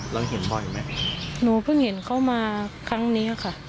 เราเห็นบ่อยไหมหนูเพิ่งเห็นเขามาครั้งนี้ค่ะ